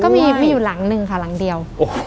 ก็มีอยู่หลังนึงค่ะหลังเดียว